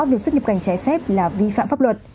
việc xuất nhập cảnh trái phép là vi phạm pháp luật